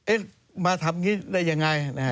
มาทำอย่างนี้ได้ยังไง